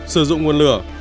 sử dụng nguồn lửa